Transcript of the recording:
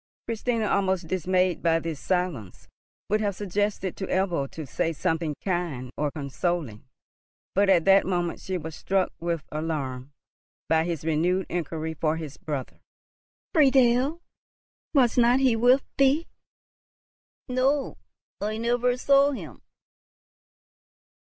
Christina, almost dismayed by this silence, would have suggested to Ebbo to say something kind or consoling; but at that moment she was struck with alarm by his renewed inquiry for his brother. "Friedel! Was not he with thee?" "No; I never saw him!"